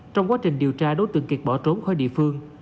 trong quá trình điều tra đối tượng kiệt bỏ trốn khỏi địa phương